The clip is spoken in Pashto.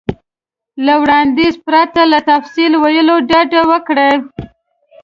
له وړاندیز پرته له تفصیل ویلو ډډه وکړئ.